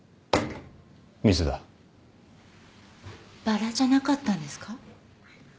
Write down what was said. バラじゃなかったんですか？